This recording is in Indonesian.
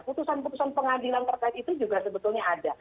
putusan putusan pengadilan terkait itu juga sebetulnya ada